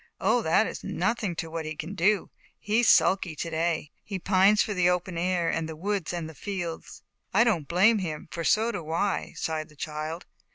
"Oh, that is nothing to what he can do; he's sulky to day. He pines for the open air and the woods and fields." "I don't blame him, for so do I," sighed the child.